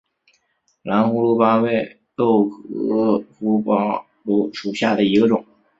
蓝胡卢巴为豆科胡卢巴属下的一个种。